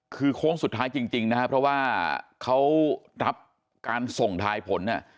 คือโค้งสุดท้ายจริงนะครับเพราะว่าเขารับการส่งทายผลเนี่ย